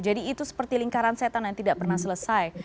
jadi itu seperti lingkaran setan yang tidak pernah selesai